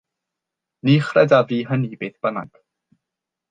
Ni chredaf fi hynny, beth bynnag.